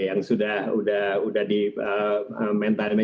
yang sudah di mentalize